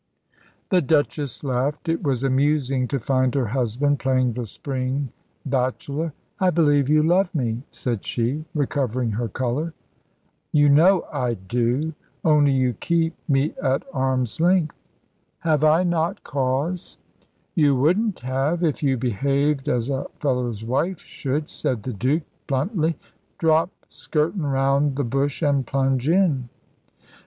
The Duchess laughed. It was amusing to find her husband playing the spring bachelor. "I believe you love me," said she, recovering her colour. "You know I do, only you keep me at arm's length." "Have I not cause?" "You wouldn't have, if you behaved as a fellow's wife should," said the Duke, bluntly. "Drop skirtin' round the bush and plunge in."